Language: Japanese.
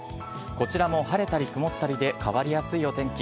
こちらも晴れたり曇ったりで、変わりやすいお天気。